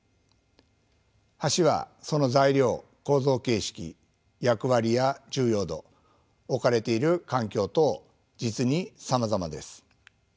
橋はその材料構造形式役割や重要度置かれている環境等実にさまざまです。